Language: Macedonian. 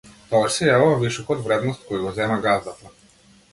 Тогаш се јавува вишокот вредност кој го зема газдата.